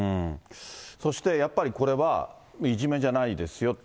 そしてやっぱりこれは、いじめじゃないですよと。